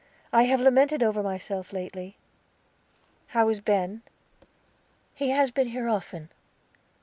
I have lamented over myself lately." "How is Ben?" "He has been here often.